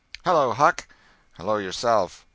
"Hello, Huck!" "Hello, yourself."